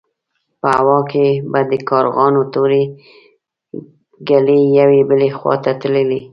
په هوا کې به د کارغانو تورې ګلې يوې بلې خوا ته تللې.